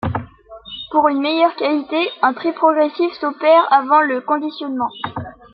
Pour une meilleure qualité, un tri progressif s'opère avant le conditionnement.